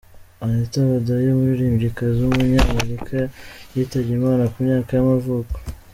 Anita O'Day, umuririmbyikazi w’umunyamerika yitabye Imana ku myaka y’amavuko.